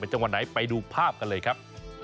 จังหวัดไหนไปดูภาพกันเลยครับ